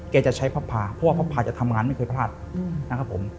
จะใช้พระพาเพราะว่าพระพาจะทำงานไม่เคยพลาดนะครับผม